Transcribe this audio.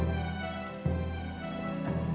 tidak ada bangunan